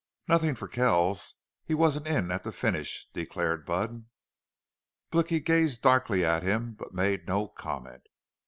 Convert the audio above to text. "Nothin' fer Kells! He wasn't in at the finish!" declared Budd. Blicky gazed darkly at him, but made no comment.